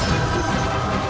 aku akan menang